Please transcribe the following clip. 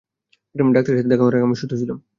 ডাক্তাদের সাথে দেখা হওয়ার আগে আমি সুস্থ ছিলাম!